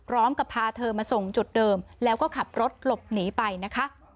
พร้อมกับพาเธอมาส่งจุดเดิมแล้วก็ขับรถหลบหนีไปนะคะ